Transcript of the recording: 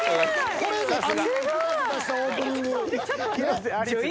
これですよ。